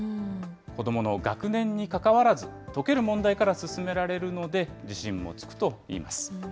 子どもの学年にかかわらず、解ける問題から進められるので自信もつくといいます。